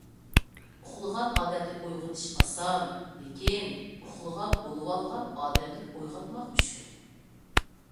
ئۇخلىغان ئادەمنى ئويغىتىش ئاسان، لېكىن ئۇخلىغان بولۇۋالغان ئادەمنى ئويغاتماق مۈشكۈل.